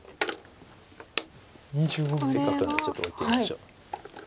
せっかくなのでちょっと置いてみましょう。